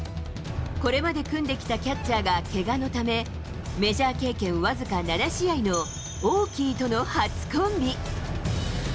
これまで組んできたキャッチャーがけがのため、メジャー経験僅か７試合のオーキーとの初コンビ。